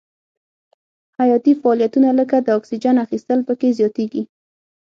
حیاتي فعالیتونه لکه د اکسیجن اخیستل پکې زیاتیږي.